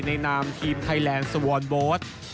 นามทีมไทยแลนด์สวอนโบสต์